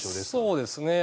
そうですね。